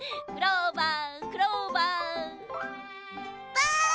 ばあ！